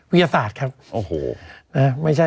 วิทยาศาสตร์ไม่ใช่